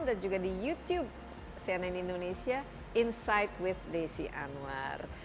dan juga di youtube cnn indonesia insight with desi anwar